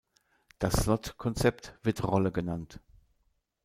Das "Slot"-Konzept wird "Rolle" genannt.